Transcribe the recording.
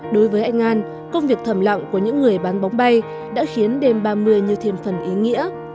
đối với anh an công việc thầm lặng của những người bán bóng bay đã khiến đêm ba mươi như thiềm phần ý nghĩa